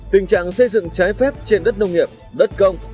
tình trạng xây dựng trái phép trên đất nông nghiệp đất công